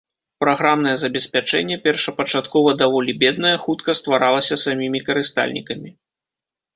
Праграмнае забеспячэнне, першапачаткова даволі беднае, хутка стваралася самімі карыстальнікамі.